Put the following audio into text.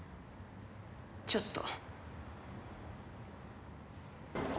ちょっと。